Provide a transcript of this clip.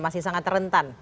masih sangat rentan